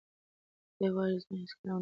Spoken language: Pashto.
دی وایي چې زه هیڅکله نه ویده کېږم.